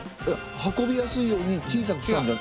えっ運びやすいように小さくした。